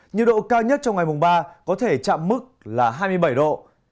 nhiệt độ cao nhất trong ngày mùng ba có thể chạm mức là hai mươi bảy độ